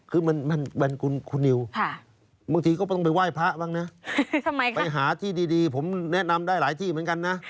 คือมันคุณนิวบางทีก็ต้องไปไหว้พระบ้างนะไปหาที่ดีผมแนะนำได้หลายที่เหมือนกันนะ